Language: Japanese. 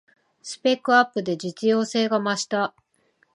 スペックアップで実用性が増した